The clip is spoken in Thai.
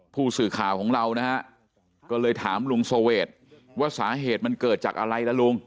ผู้สื่อข่าวของเรานะฮะก็เลยถามลุงเสวดว่าสาเหตุมันเกิดจากอะไรล่ะลุง